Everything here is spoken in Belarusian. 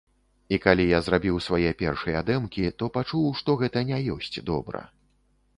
І калі я зрабіў свае першыя дэмкі, то пачуў, што гэта не ёсць добра.